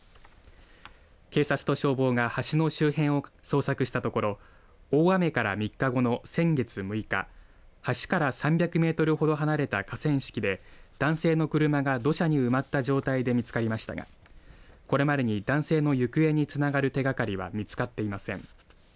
警察と消防が橋の周辺を捜索したところ大雨から３日後の先月６日橋から３００メートルほど離れた河川敷で男性の車が土砂に埋まった状態で見つかりましたがこれまでに男性の行方につながる手がかりは見つかっていません。